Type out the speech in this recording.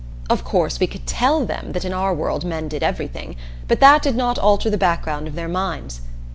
Of course we could tell them that in our world men did everything; but that did not alter the background of their minds.